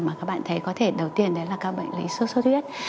mà các bạn thấy có thể đầu tiên là các bệnh lấy sốt sốt huyết